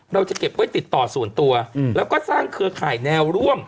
เราจะเก็บไว้ติดต่อส่วนตัวแล้วก็สร้างเครือข่ายแนวร่วม